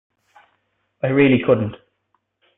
I really couldn't.